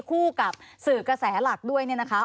คู่กับสื่อกระแสหลักด้วยเนี่ยนะคะ